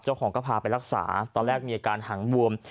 เจ้าของก็พาไปรักษาตอนแรกมีอาการหังบวม